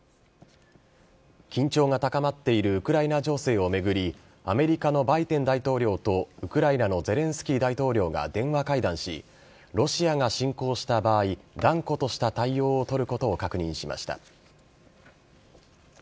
緊張が高まっているウクライナ情勢を巡り、アメリカのバイデン大統領とウクライナのゼレンスキー大統領が電話会談し、ロシアが侵攻した場合、断固とした対応を取ることを確認しました。